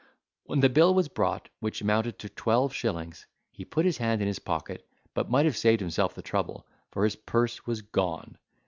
When the bill was brought, which amounted to twelve shillings, he put his hand in his pocket, but might have saved himself the trouble, for his purse was gone.